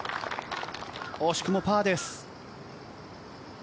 惜しくもパーです。